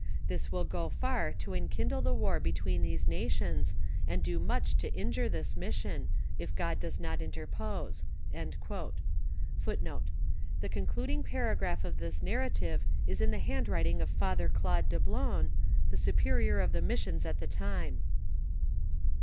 This will go far to enkindle the war between these nations, and do much to injure this mission, if God does not interpose."* * The concluding paragraph of this narrative is in the handwriting of Father Claude Dablon, the superior of the missiona at the time.